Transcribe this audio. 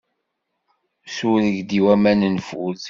Sureg-d i waman nfud.